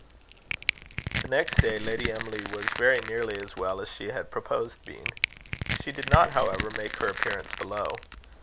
The next day, Lady Emily was very nearly as well as she had proposed being. She did not, however, make her appearance below.